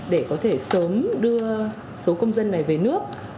để có thể sớm đưa số công dân này về nước